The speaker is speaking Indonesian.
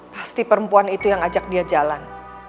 pasti perempuan itu yang ajak dia jalan